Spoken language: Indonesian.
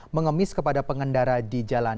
mengemis kepada pengendara di jalan